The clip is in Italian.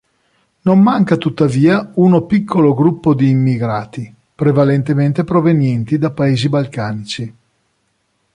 Non manca tuttavia uno piccolo gruppo di immigrati, prevalentemente provenienti da paesi balcanici.